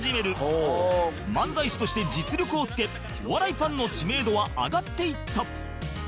漫才師として実力をつけお笑いファンの知名度は上がっていった